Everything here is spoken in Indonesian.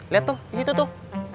liat tuh disitu tuh